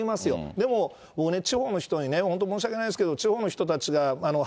でも、地方の人に本当申し訳ないですけれども、地方の人たちが働